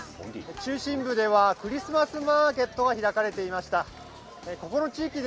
中心部ではクリスマスマーケットが開かれていました。